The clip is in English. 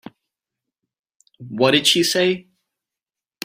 What did she say?